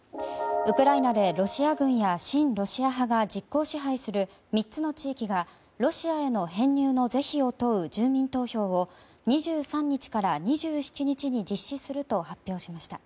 ウクライナでロシア軍や親ロシア派が実効支配する３つの地域がロシアへの編入の是非を問う住民投票を２３日から２７日に実施すると発表しました。